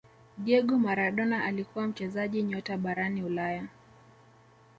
Diego Maradona alikuwa mchezaji nyota barani ulaya